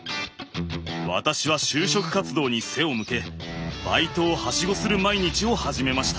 私は就職活動に背を向けバイトをはしごする毎日を始めました。